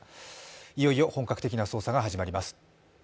いよいよ本格的な捜査が始まります。